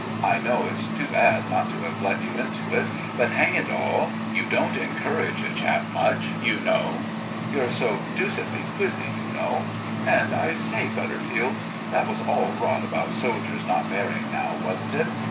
I know it's too bad not to have let you into it, but, hang it all, you don't encourage a chap much, you know. You're so deuced quizzy, you know. And, I say, Butterfield. That was all rot about soldiers not marrying, now, wasn't it?